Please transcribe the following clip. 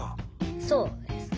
そうですね。